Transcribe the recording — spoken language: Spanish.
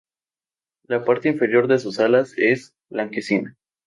La parte inferior de sus alas es blanquecina.